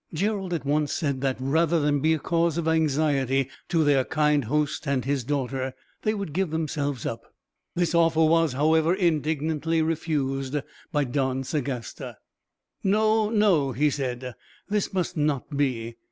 Gerald at once said that, rather than be a cause of anxiety to their kind host and his daughter, they would give themselves up. This offer was, however, indignantly refused by Don Sagasta. "No, no," he said; "this must not be.